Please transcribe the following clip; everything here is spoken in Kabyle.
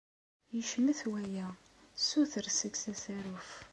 Yecmet waya. Ssuter seg-s asaruf.